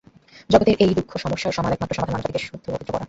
জগতের এই দুঃখ-সমস্যার একমাত্র সমাধান মানবজাতিকে শুদ্ধ ও পবিত্র করা।